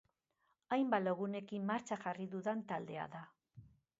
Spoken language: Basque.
Hainbat lagunekin martxan jarri dudan taldea da.